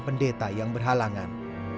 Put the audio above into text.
pendeta yang berhalangan